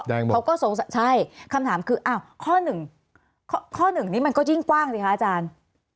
แดงหมดใช่คำถามคือข้อ๑นี่มันก็ยิ่งกว้างสิคะอาจารย์